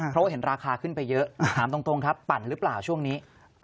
เพราะว่าเห็นราคาขึ้นไปเยอะถามตรงครับปั่นหรือเปล่าช่วงนี้